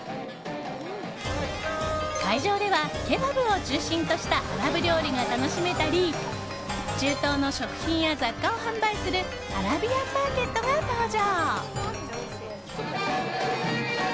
会場ではケバブを中心としたアラブ料理が楽しめたり中東の食品や雑貨を販売するアラビアンマーケットが登場。